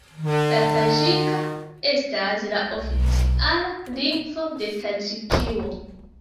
La taĝika estas la oficiala lingvo de Taĝikio.